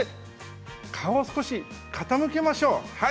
顔を少し傾けましょう。